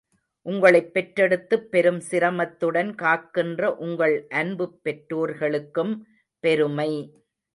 உங்களைப் பெற்றெடுத்துப் பெரும் சிரமத்துடன் காக்கின்ற உங்கள் அன்பு பெற்றோர்களுக்கும் பெருமை.